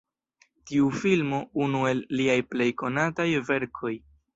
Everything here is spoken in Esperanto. Tiu filmo unu el liaj plej konataj verkoj.